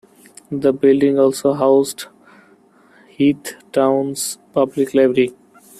The building also housed Heath Town's public library.